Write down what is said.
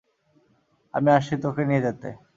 আমি আসছি তোকে নিয়ে যেতে!